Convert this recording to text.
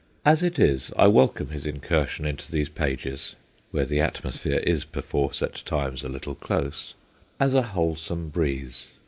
As it is, I welcome his incursion into these pages, where the atmosphere is perforce at times a little close, as a whole some breeze.